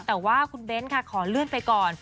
แต่ว่าคุณเบ้นค่ะขอเลื่อนไปก่อน